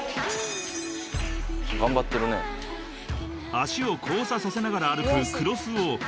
［足を交差させながら歩くクロスウォーク。